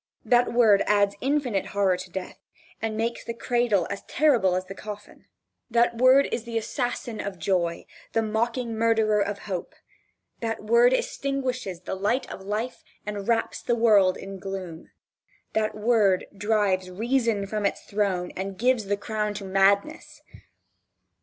That word adds an infinite horror to death, and makes the cradle as terrible as the coffin. That word is the assassin of joy, the mocking murderer of hope. That word extinguishes the light of life and wraps the world in gloom. That word drives reason from his throne, and gives the crown to madness.